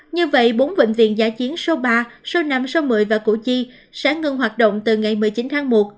như vậy bốn bệnh viện giả chiến số ba số năm số một mươi và củ chi sẽ ngưng hoạt động từ ngày một mươi chín tháng một